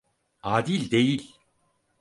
Adil değil!